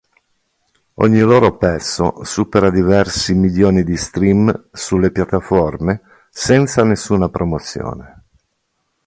Ogni loro pezzo supera diversi milioni di stream sulle piattaforme senza nessuna promozione.